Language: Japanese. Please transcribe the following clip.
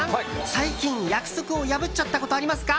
最近、約束を破っちゃったことありますか？